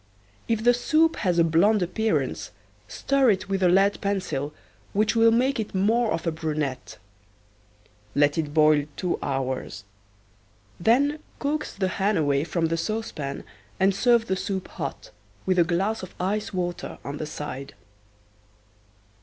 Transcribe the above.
If the soup has a blonde appearance stir it with a lead pencil which will make it more of a brunette. Let it boil two hours. Then coax the hen away from the saucepan and serve the soup hot, with a glass of ice water on the side.